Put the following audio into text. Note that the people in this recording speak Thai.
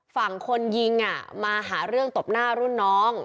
ฝั่งคนยิงมาหาเรื่องตบหน้ารุ่นน้อง